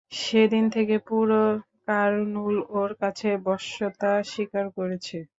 সেদিন থেকে পুরো কারনুল ওর কাছে বশ্যতা স্বীকার করেছে।